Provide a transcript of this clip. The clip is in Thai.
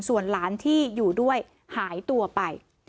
ส่วนหลานที่อยู่ด้วยหายตัวไป